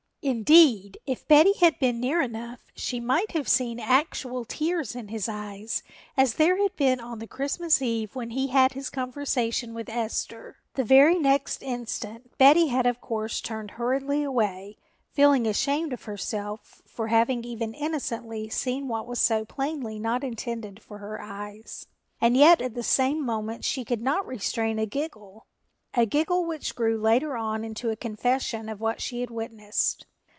Indeed, if Betty had been near enough she might have seen actual tears in his eyes as there had been on the Christmas eve when he had his conversation with Esther. The very next instant Betty had of course turned hurriedly away, feeling ashamed of herself for having even innocently seen what was so plainly not intended for her eyes. And yet at the same moment she could not restrain a giggle, a giggle which grew later on into a confession of what she had witnessed.